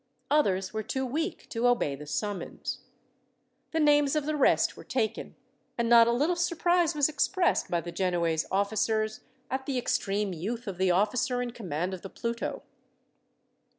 Others were too weak to obey the summons. The names of the rest were taken, and not a little surprise was expressed, by the Genoese officers, at the extreme youth of the officer in command of the Pluto.